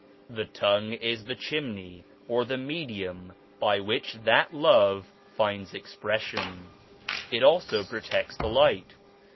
The tongue is the chimney or the medium by which that Love finds expres sion. It also protects the Light.